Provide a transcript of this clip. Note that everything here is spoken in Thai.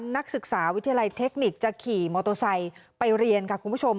นักศึกษาวิทยาลัยเทคนิคจะขี่มอเตอร์ไซค์ไปเรียนค่ะคุณผู้ชม